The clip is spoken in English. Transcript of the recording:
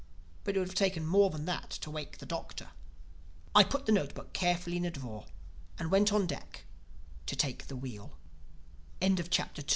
But it would have taken more than that to wake the Doctor. I put the note book carefully in a drawer and went on deck to take the wh